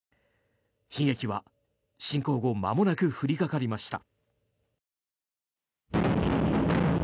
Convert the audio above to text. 悲劇は侵攻後まもなく降りかかりました。